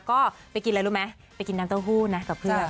ก็ไปกินอะไรรู้ไหมไปกินน้ำเต้าหู้นะกับเพื่อน